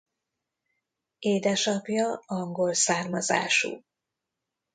Édesapja angol származású.